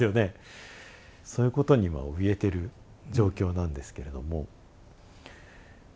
そういうことにはおびえてる状況なんですけれども。